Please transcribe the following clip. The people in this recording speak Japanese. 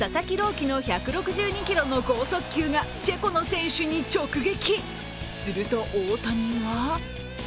希の１６２キロの剛速球がチェコの選手に直撃。